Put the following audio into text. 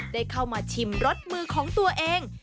ได้เข้ามาชิมรสมือของตัวเอง